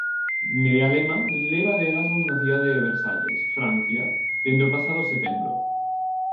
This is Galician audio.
Nerea Lema leva de Erasmus na cidade de Versalles, Francia, dende o pasado setembro.